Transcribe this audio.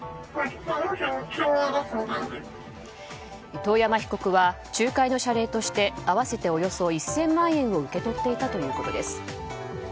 遠山被告は仲介の謝礼として合わせておよそ１０００万円を受け取っていたということです。